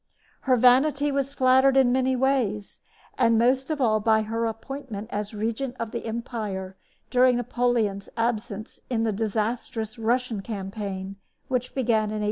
Her vanity was flattered in many ways, and most of all by her appointment as regent of the empire during Napoleon's absence in the disastrous Russian campaign which began in 1812.